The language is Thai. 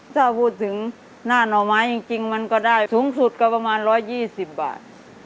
ถ้าพูดถึงหน้าหน่อไม้จริงมันก็ได้สูงสุดก็ประมาณ๑๒๐บาท